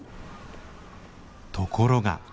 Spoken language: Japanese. ところが。